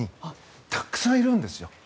たくさんいるんです。